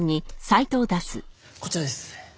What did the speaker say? こちらです。